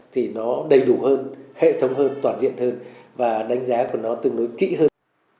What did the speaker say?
thì nó đầy đủ hơn hệ thống hơn toàn diện hơn và đánh giá của nó tương đối kỹ hơn